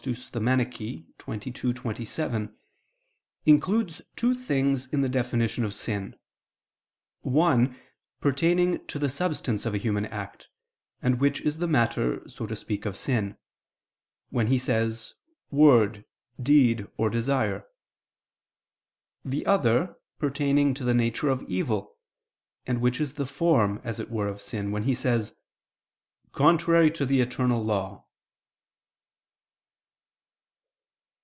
xxii, 27) includes two things in the definition of sin; one, pertaining to the substance of a human act, and which is the matter, so to speak, of sin, when he says "word, deed, or desire"; the other, pertaining to the nature of evil, and which is the form, as it were, of sin, when he says, "contrary to the eternal law."